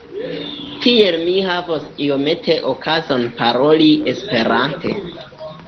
Tiel mi havos iomete okazon paroli Esperante.